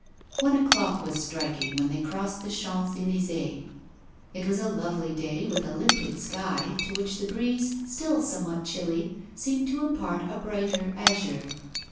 One o'clock was striking when they crossed the Champs Elysées. It was a lovely day, with a limpid sky, to which the breeze, still somewhat chilly, seemed to impart a brighter azure.